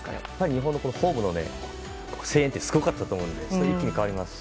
日本、ホームの声援ってすごかったんですけど一気に変わりますし。